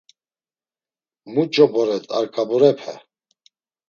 Muç̌o boret Arkaburepe?